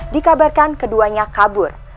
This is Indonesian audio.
dikabarkan keduanya kabur